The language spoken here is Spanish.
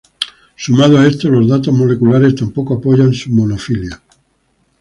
Sumado a esto, los datos moleculares tampoco apoyan su monofilia.